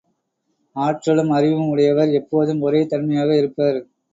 ஆற்றலும் அறிவும் உடையவர் எப்போதும் ஒரே தன்மையாக இருப்பர்.